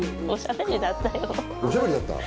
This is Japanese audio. おしゃべりだった？